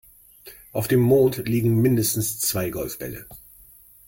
Auf dem Mond liegen mindestens zwei Golfbälle.